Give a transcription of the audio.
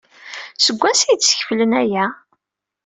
Seg wansi ay d-skeflen aya?